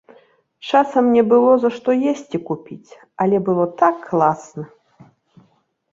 Часам не было, за што есці купіць, але было так класна!